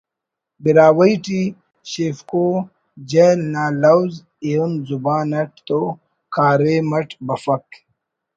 براہوئی ٹی شیفکو ”جئل“ نا لوز ایہن زبان اٹ تو کاریم اٹ بفک